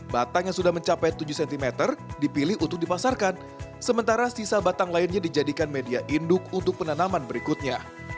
batang yang sudah mencapai tujuh cm dipilih untuk dipasarkan sementara sisa batang lainnya dijadikan media induk untuk penanaman berikutnya